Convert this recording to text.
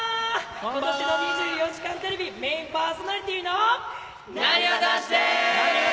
ことしの『２４時間テレビ』メインパーソナリティーのなにわ男子です！